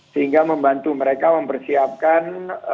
sehingga membantu mereka mempersiapkan